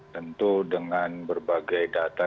tentu dengan berbagai data